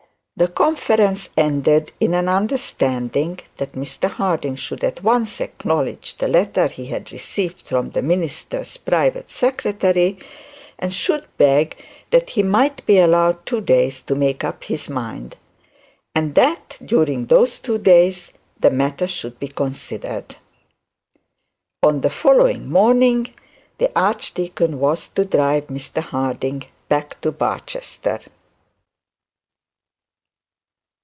The conference ended in an understanding that Mr Harding should at once acknowledge the letter he had received from the minister's private secretary, and should beg that he might be allowed two days to make up his mind; and that during those two days the matter should be considered. On the following morning the archdeacon was to drive Mr Harding back to Barchester.